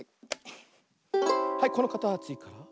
はいこのかたちから。